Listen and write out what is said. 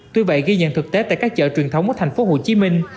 tuy vậy ghi nhận thực tế tại các chợ truyền thống ở thành phố hồ chí minh